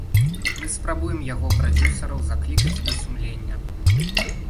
Мы спрабуем яго прадзюсараў заклікаць да сумлення.